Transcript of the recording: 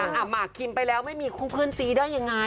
หมากคิมไปแล้วไม่มีคู่เพื่อนซีได้ยังไง